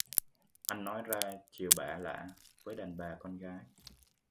Ăn nói ra chiều bả lả với đàn bà con gái